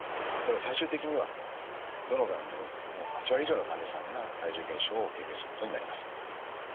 ただ最終的にはどのがんにおいても８割以上の患者さんが体重減少を経験することになります。